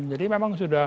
jadi memang sudah